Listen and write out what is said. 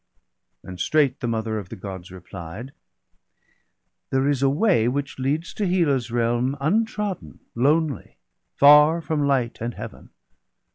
And straight the mother of the Gods replied :—^ There is a way which leads to Hela's realm, Untrodden, lonely, far from light and Heaven.